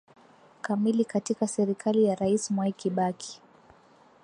kamili katika serikali ya rais mwai kibaki